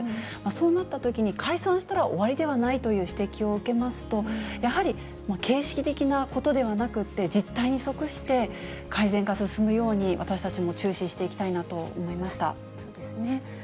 そうなったときに、解散したら終わりではないという指摘を受けますと、やはり形式的なことではなくって、実態に則して、改善が進むように、私たちも注視していきたいなと思そうですね。